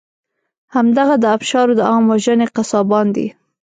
همدغه د آبشارو د عام وژنې قصابان دي.